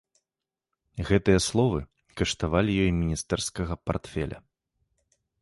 Гэтыя словы каштавалі ёй міністэрскага партфеля.